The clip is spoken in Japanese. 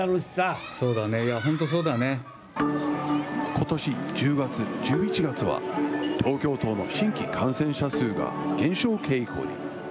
ことし１０月、１１月は、東京都の新規感染者数が減少傾向に。